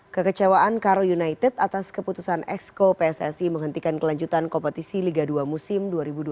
kekecewaan karo united atas keputusan exco pssi menghentikan kelanjutan kompetisi liga dua musim dua ribu dua puluh dua dua ribu dua puluh tiga